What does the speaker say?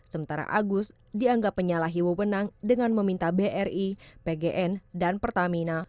sementara agus dianggap penyalahi wawenang dengan meminta bri pgn dan pertamina